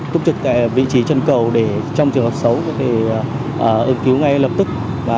tốt trực vị trí chân cầu để trong trường hợp xấu có thể ưu cứu ngay lập tức